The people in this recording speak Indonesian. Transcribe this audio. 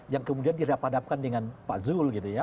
yang kemudian didapatkan dengan pak zul